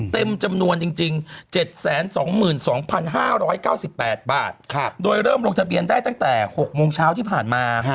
เต็มจำนวนจริง๗๒๒๕๙๘บาทโดยเริ่มลงทะเบียนได้ตั้งแต่๖โมงเช้าที่ผ่านมา